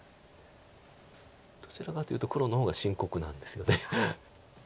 どちらかというと黒の方が深刻なんですよね。